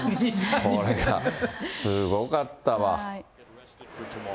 これがすごかったわ。